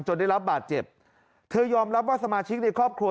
ได้รับบาดเจ็บเธอยอมรับว่าสมาชิกในครอบครัว